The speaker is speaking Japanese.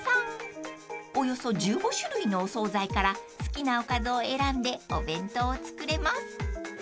［およそ１５種類のお総菜から好きなおかずを選んでお弁当を作れます］